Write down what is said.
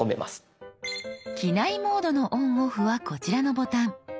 「機内モード」のＯＮＯＦＦはこちらのボタン。